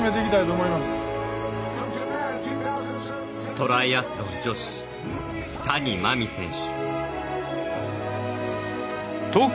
トライアスロン女子谷真海選手。